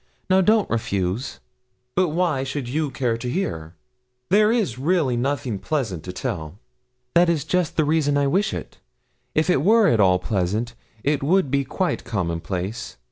Now don't refuse.' 'But why should you care to hear? There is really nothing pleasant to tell.' 'That is just the reason I wish it. If it were at all pleasant, it would be quite commonplace.